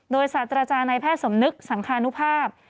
โดยศาสตราจารย์ในแพทย์สมนึกสังคานุภาพ